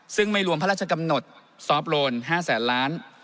ซึ่งไม่รวมพระราชกำหนดซอฟต์โลน๕แสนล้าน